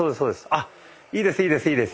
あいいですいいですいいです。